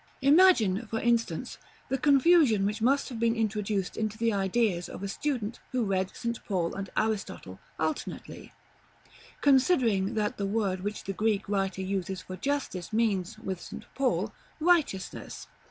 Imagine, for instance, the confusion which must have been introduced into the ideas of a student who read St. Paul and Aristotle alternately; considering that the word which the Greek writer uses for Justice, means, with St. Paul, Righteousness.